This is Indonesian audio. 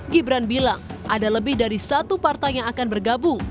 gibran bilang ada lebih dari satu partai yang akan bergabung